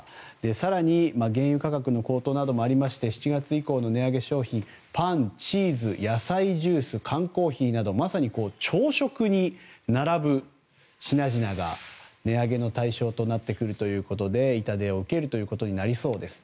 更に、原油価格の高騰などもありまして７月以降の値上げ商品パン、チーズ野菜ジュース、缶コーヒーなどまさに朝食に並ぶ品々が値上げの対象となってくるということで痛手を受けることになりそうです。